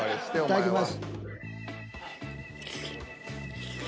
いただきます。